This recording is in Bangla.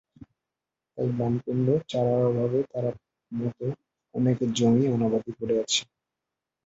তাই পানি কমলেও চারার অভাবে তার মতো অনেকের জমি অনাবাদি পড়ে আছে।